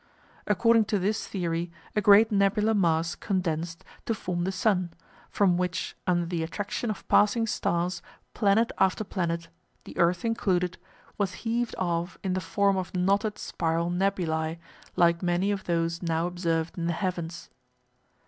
According to this theory a great nebular mass condensed to form the sun, from which under the attraction of passing stars planet after planet, the earth included, was heaved off in the form of knotted spiral nebulæ, like many of those now observed in the heavens.